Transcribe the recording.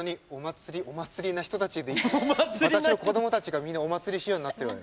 私の子供たちがみんなお祭り仕様になってるわよ。